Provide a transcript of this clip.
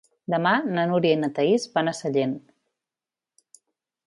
Demà na Núria i na Thaís van a Sellent.